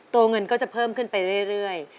เงินก็จะเพิ่มขึ้นไปเรื่อย